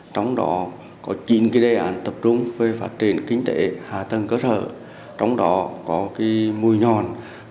trong đó có chín đề án tập trung về phát triển kinh tế hạ tầng cơ sở trong đó có mùi nhòn